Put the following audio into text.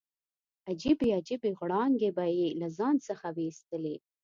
عجیبې عجیبې غړانګې به یې له ځان څخه ویستلې.